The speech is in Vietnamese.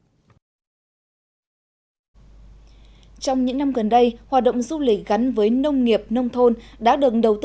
trong những năm gần đây hoạt động du lịch gắn với nông nghiệp nông thôn đã được đầu tư